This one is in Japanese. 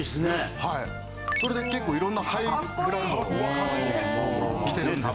それで結構いろんなハイブランドを着てるんですけど。